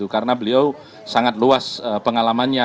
karena beliau sangat luas pengalamannya